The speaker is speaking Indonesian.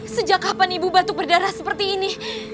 sejak kapan ibu batuk berdarah seperti ini